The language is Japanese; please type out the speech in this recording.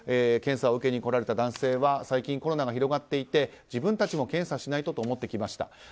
検査を受けに来られた男性は最近コロナが広がっていて自分たちも検査しないとと思って来ました。